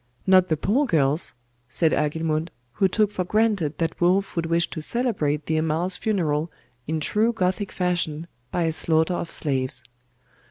'Not the poor girls?' said Agilmund, who took for granted that Wulf would wish to celebrate the Amal's funeral in true Gothic fashion by a slaughter of slaves.